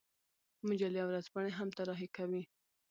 مجلې او ورځپاڼې هم طراحي کوي.